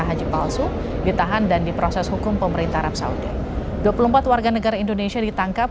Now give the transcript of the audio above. haji palsu ditahan dan diproses hukum pemerintah arab saudi dua puluh empat warga negara indonesia ditangkap